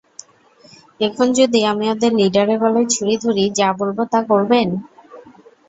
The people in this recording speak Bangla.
এখন যদি আমি ওদের লিডারের গলায় ছুরি ধরি, যা বলবো তা করবেন?